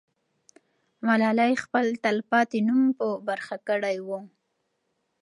ملالۍ خپل تل پاتې نوم په برخه کړی وو.